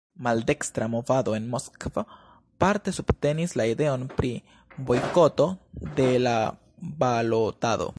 Maldekstra movado en Moskvo parte subtenis la ideon pri bojkoto de la balotado.